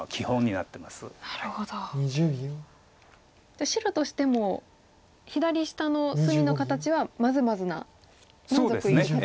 じゃあ白としても左下の隅の形はまずまずな満足いく形なんですか。